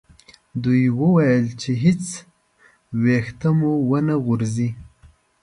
دوی وویل چې هیڅ ویښته مو و نه غورځي.